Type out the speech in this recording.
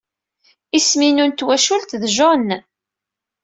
Isem-inu n twacult d Jones.